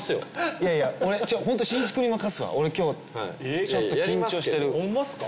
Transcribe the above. いやいや俺ホントしんいち君に任すわ俺今日ちょっと緊張してるホンマっすか？